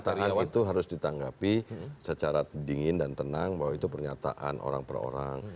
pernyataan itu harus ditanggapi secara dingin dan tenang bahwa itu pernyataan orang per orang